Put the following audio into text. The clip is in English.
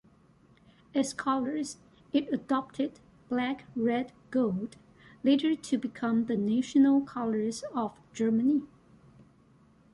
As colours, it adopted Black-Red-Gold, later to become the National colours of Germany.